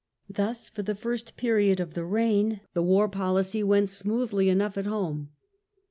Thus, for the first period of the reign, the war policy went smoothly enough at home.